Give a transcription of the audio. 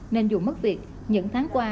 nên dù mất việc những tháng qua